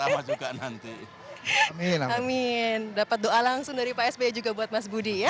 terima kasih juga pak sby yang dapat doa langsung dari pak sby juga buat mas budi ya